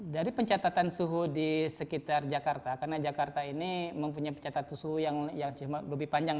dari pencatatan suhu di sekitar jakarta karena jakarta ini mempunyai pencatatan suhu yang lebih panjang